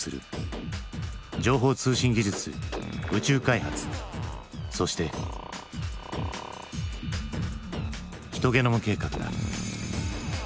情報通信技術宇宙開発そして。ヒトゲノム計画だ。